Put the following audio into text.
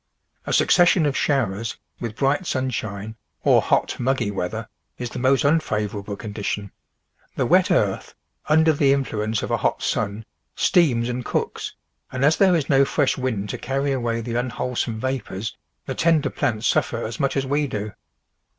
A succession of showers, with bright sunshine, or hot, muggy weather, is the most unfavourable condition; the wet earth, under the influence of a hot sun, steams and cooks, and as there is no fresh wind to carry away the un wholesome vapours, the tender plants suffer as much as we do.